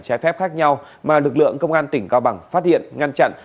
trái phép khác nhau mà lực lượng công an tỉnh cao bằng phát hiện ngăn chặn